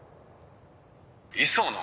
磯野？